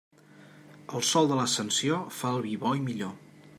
El sol en l'Ascensió fa el vi bo i millor.